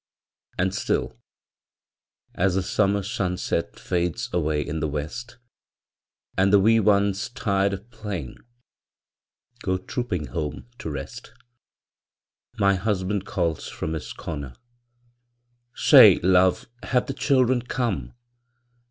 And still, as the summer sunset Fades away in the west, And the wee ones, tired of playing, Go trooping home to rest, My husband calls from his corner, "Say, love, have the children come?"